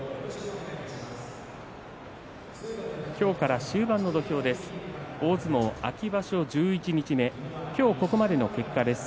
今日から終盤の土俵です。